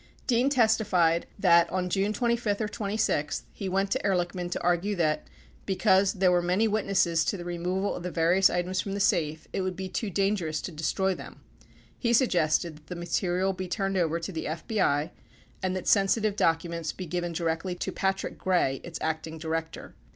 Dean testified that, on June 25 or 26, he went to Ehrlichman to ar gue that, because there were many witnesses to the removal of the various items from the safe, it would be too dangerous to destroy them. He suggested that the material be turned over to the FBI and that sensitive documents be given directly to Patrick Gray, its Acting Director.